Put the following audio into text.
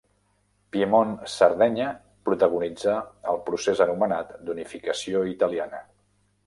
Piemont-Sardenya protagonitzà el procés anomenat d'unificació italiana.